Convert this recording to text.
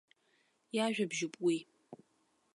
Иажәабжьуп уи.